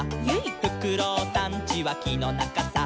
「フクロウさんちはきのなかさ」